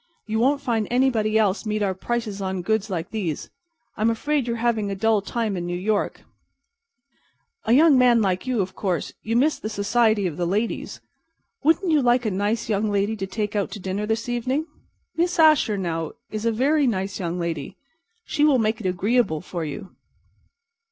You won't find anybody else meet our prices on goods like these. I'm afraid you're having a dull time in New York, Mr. Platt. A young man like you—of course, you miss the society of the ladies. Wouldn't you like a nice young lady to take out to dinner this evening? Miss Asher, now, is a very nice young lady; she will make it agreeable for you."